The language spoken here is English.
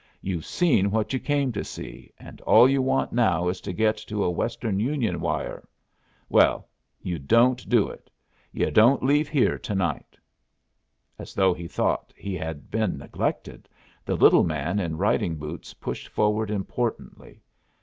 "You've seen what you came to see, and all you want now is to get to a Western Union wire. Well, you don't do it. You don't leave here to night!" As though he thought he had been neglected, the little man in riding boots pushed forward importantly.